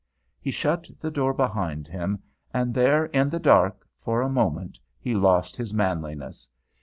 He shut the door behind him and there, in the dark, for a moment he lost his manliness.